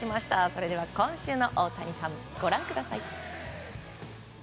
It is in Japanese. それでは今週のオオタニサンご覧ください。